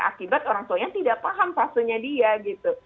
akibat orang tuanya tidak paham fasenya dia gitu